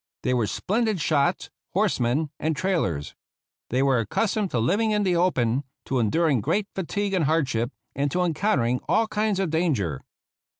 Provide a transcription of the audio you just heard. They were splendid shots, horsemen, and trailers. They were accustomed to living in the open, to enduring great fatigue and hardship, and to en countering all kinds of danger.